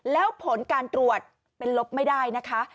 แล้วผลการตรวจเป็นลบไม่ได้นะคะ